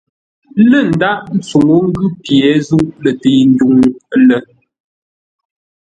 Lə́ ndághʼ tsuŋə́ ngʉ́ pye zûʼ lətəi ndwuŋ lə́.